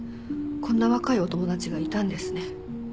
こんな若いお友達がいたんですね。